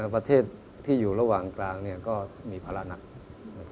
ประเทศที่อยู่ระหว่างกลางก็มีภาระหนัก